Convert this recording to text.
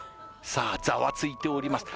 さあざわついております